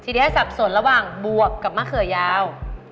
ทีนี้สับสนระหว่างบวกกับมะเขือยาว